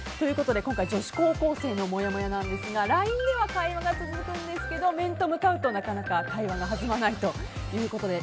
今回女子高校生のもやもやなんですがＬＩＮＥでは会話が続くんですけど面と向かうと、なかなか会話が弾まないということで